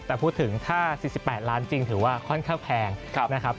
แต่พูดถึงถ้า๔๘ล้านจริงถือว่าค่อนข้างแพงนะครับ